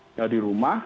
tidak di rumah